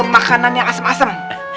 makanan yang asem asem